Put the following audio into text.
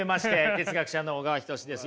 哲学者の小川仁志です。